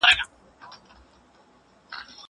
زه اجازه لرم چي شګه پاک کړم!